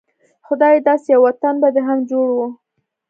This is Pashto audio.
خدايه داسې يو وطن به دې هم جوړ و